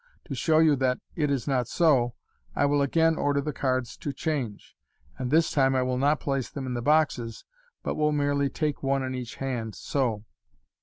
To show you that it is not so, 1 will again order the cards to change f and this time 1 will not place them in the boxes, but will merely take one in each hand, so.